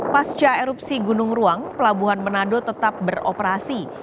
pasca erupsi gunung ruang pelabuhan manado tetap beroperasi